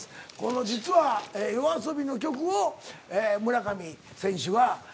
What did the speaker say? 実はＹＯＡＳＯＢＩの曲を村上選手は。